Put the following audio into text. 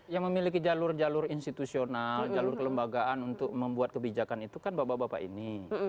yang memiliki jalur jalur institusional jalur kelembagaan untuk membuat kebijakan itu kan bapak bapak ini